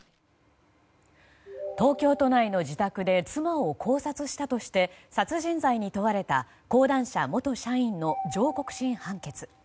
東京都内の自宅で妻を絞殺したとして殺人罪に問われた講談社元社員の上告審判決。